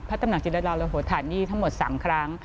ตำหนักจิตรดาลโหธานีทั้งหมด๓ครั้ง